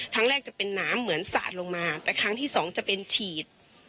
จะเป็นน้ำเหมือนสาดลงมาแต่ครั้งที่สองจะเป็นฉีด